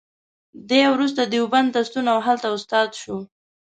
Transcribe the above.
دی وروسته دیوبند ته ستون او هلته استاد شو.